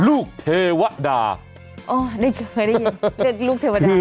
ลูกเทวดาโอ้ยได้เคยได้ยินเรื่องลูกเทวดา